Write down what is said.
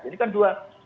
ini kan dua